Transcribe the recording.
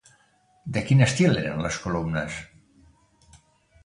De quin estil eren les columnes?